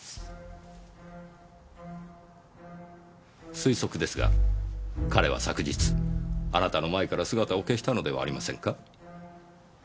推測ですが彼は昨日あなたの前から姿を消したのではありませんか？